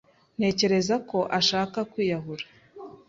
Ntekereza ko ashaka kwiyahura.